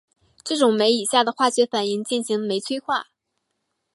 这种酶以下的化学反应进行酶催化。